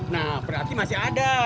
nah berarti masih ada